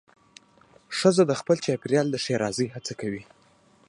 ښځه د خپل چاپېریال د ښېرازۍ هڅه کوي.